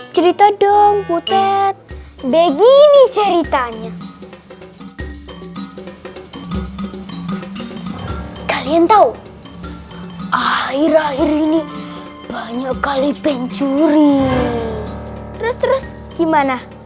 cerita dong putet begini ceritanya kalian tahu akhir akhir ini banyak kali pencuri terus terus gimana